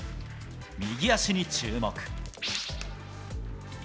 右足に注目。